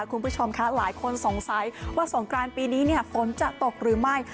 คุณผู้ชมค่ะหลายคนสงสัยว่าสงกรานปีนี้ฝนจะตกหรือไม่